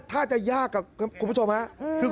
ถ้าจะยากครับคุณผู้ชมฮะ